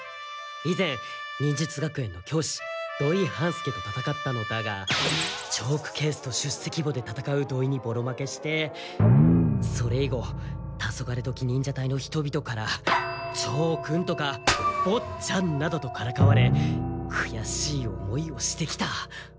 以前忍術学園の教師土井半助と戦ったのだがチョークケースと出席簿で戦う土井にボロ負けしてそれ以後タソガレドキ忍者隊の人々からチョー君とか簿っちゃんなどとからかわれくやしい思いをしてきた。